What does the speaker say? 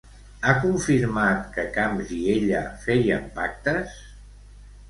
Ha confirmat que Camps i ella feien pactes?